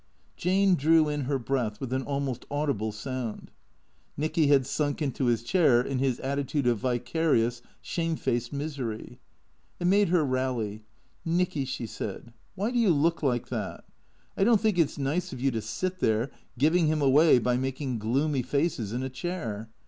Jane drew in her breath with an almost audible sound. Nicky had sunk into his chair in his attitude of vicarious, shamefaced misery. It made her rally. " Nicky," she said, " why do you look like that ? I don't think it 's nice of you to sit there, giving him away by making gloomy faces, in a chair.